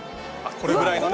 これぐらいのね！